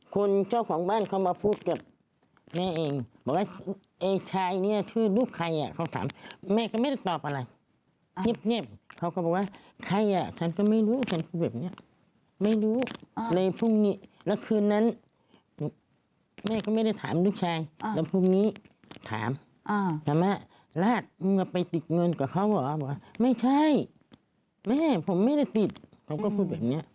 คุณเจ้าของบ้านเขามาพูดกับแม่เองบอกว่าไอ้ชายเนี้ยชื่อลูกใครอ่ะเขาถามแม่ก็ไม่ได้ตอบอะไรเงียบเงียบเขาก็บอกว่าใครอ่ะฉันก็ไม่รู้ฉันพูดแบบเนี้ยไม่รู้อะไรพรุ่งนี้แล้วคืนนั้นแม่ก็ไม่ได้ถามลูกชายอ่าแล้วพรุ่งนี้ถามอ่าถามว่าลาดมึงก็ไปติดเงินกับเขาเหรอบอกว่